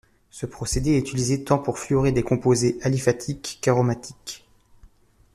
Ce procédé est utilisé tant pour fluorer des composés aliphatiques qu'aromatiques.